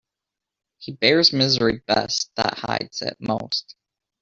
He bears misery best that hides it most.